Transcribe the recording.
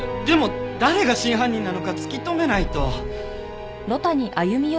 でも誰が真犯人なのか突き止めないと。